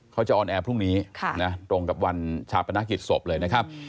เขาจะออนแอร์พรุ่งนี้ตรงกับวันชาปนกิจศพเลยนะครับ